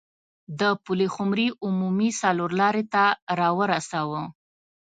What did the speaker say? د پلخمري عمومي څلور لارې ته راورسوه.